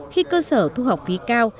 khi cơ sở thu học phí cao